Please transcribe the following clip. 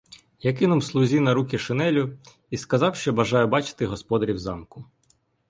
Я кинув слузі на руки шинелю і сказав, що бажаю бачити господарів замку.